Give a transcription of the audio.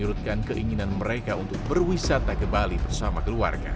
menurutkan keinginan mereka untuk berwisata ke bali bersama keluarga